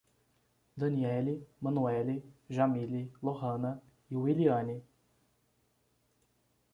Danielly, Manuele, Jamily, Lorrana e Wiliane